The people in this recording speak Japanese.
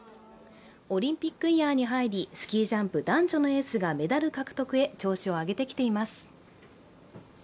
オリンピックイヤーに入り、スキージャンプ男女のエースがメダル獲得へ調子を上げてきています。